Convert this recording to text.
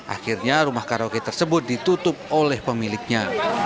akhirnya rumah karaoke tersebut ditutup oleh pemiliknya